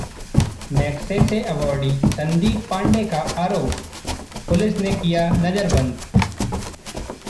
Magsaysay awardee Sandeep Pandey का आरोप, police ने किया नजरबंद